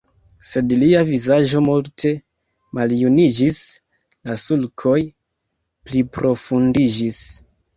Sed lia vizaĝo multe maljuniĝis, la sulkoj pliprofundiĝis.